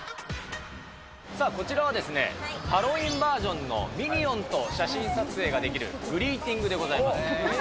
さあ、こちらはですね、ハロウィーンバージョンのミニオンと写真撮影ができるグリーティングでございます。